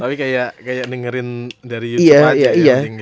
tapi kayak dengerin dari youtube aja